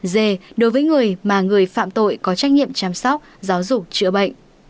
d đối với người mà người phạm tội có trách nhiệm chăm sóc giáo dục chữa bệnh